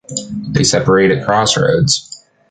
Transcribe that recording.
They separate at crossroads.